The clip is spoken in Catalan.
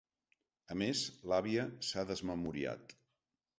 A més, l’àvia s’ha desmemoriat.